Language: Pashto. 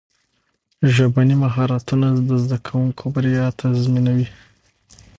ژبني مهارتونه د زدهکوونکو بریا تضمینوي.